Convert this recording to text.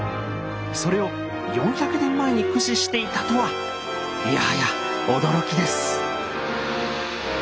それを４００年前に駆使していたとはいやはや驚きです。